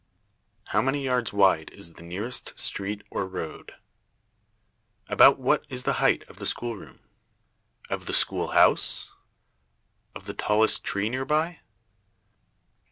How many yards wide is the nearest street or road? About what is the height of the schoolroom? Of the schoolhouse? Of the tallest tree near by?